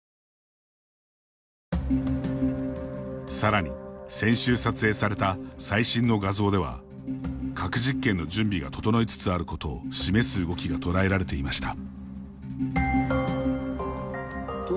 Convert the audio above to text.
さらに、先週撮影された最新の画像では、核実験の準備が整いつつあることを示す動きが捉えられていました。